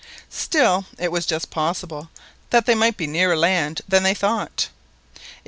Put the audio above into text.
Still it was just possible that they might be nearer land than they thought.